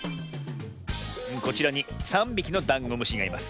こちらに３びきのダンゴムシがいます。